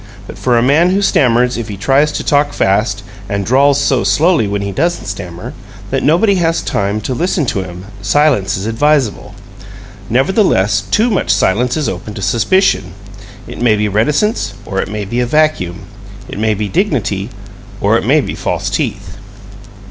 But for a man who stammers if he tries to talk fast, and drawls so slowly, when he doesn't stammer, that nobody has time to listen to him, silence is advisable. Nevertheless, too much silence is open to suspicion. It may be reticence, or it may be a vacuum. It may be dignity, or it may be false teeth.